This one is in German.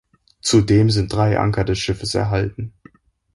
Zudem sind drei Anker des Schiffes erhalten.